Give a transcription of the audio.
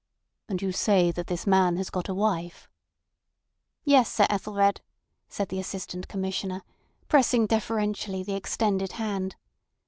"And you say that this man has got a wife?" "Yes, Sir Ethelred," said the Assistant Commissioner, pressing deferentially the extended hand.